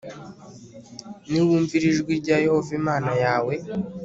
niwumvira ijwi rya yehova imana yawe